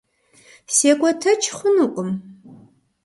Секӏуэтэкӏ хъунукъым.